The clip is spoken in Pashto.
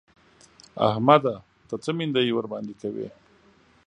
احمده! ته څه مينده يي ورباندې کوې؟!